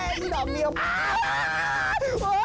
โอ้โฮอีกหนอกเดียว